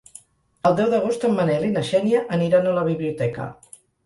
El deu d'agost en Manel i na Xènia aniran a la biblioteca.